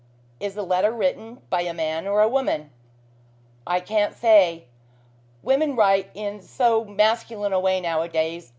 "Is the letter written by a man or a woman?" "I can't say. Women write in so masculine a way nowadays.